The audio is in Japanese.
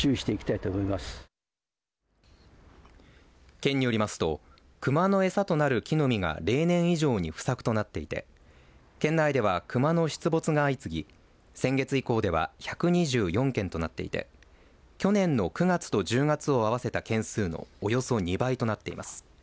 県によりますとクマの餌となる木の実が例年以上に不作となっていて県内ではクマの出没が相次ぎ先月以降では１２４件となっていて去年の９月と１０月を合わせた件数のおよそ２倍となっています。